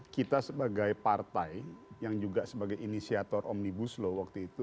kita sebagai partai yang juga sebagai inisiator omnibus law waktu itu